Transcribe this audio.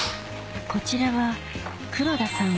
こちらは黒田さん